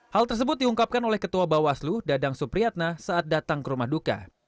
hal tersebut diungkapkan oleh ketua bawaslu dadang supriyatna saat datang ke rumah duka